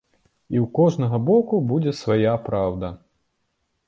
І ў кожнага боку будзе свая праўда.